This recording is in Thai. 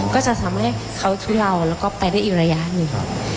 ก็จะทำให้เขาทุเลาแล้วก็ไปได้อีกระยะหนึ่ง